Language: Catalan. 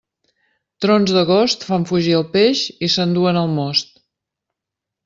Trons d'agost fan fugir el peix i s'enduen el most.